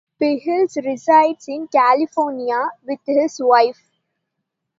Phil resides in California with his wife.